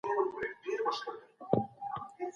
د زده کړې ارزښت تر مادیاتو خورا لوړ دی.